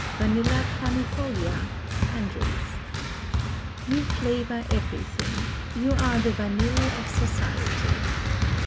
(Vanilla planifolia, Andrews.) You flavor everything; you are the vanille of society.